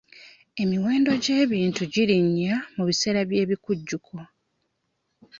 Emiwendo gy'ebintu girinnya mu biseera by'ebikujjuko.